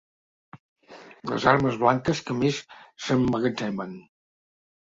Les armes blanques que més s'emmagatzemen.